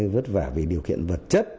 vất vả về điều kiện vật chất